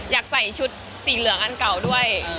อยากใส่ชุดสีเหลืองอันเก่าด้วย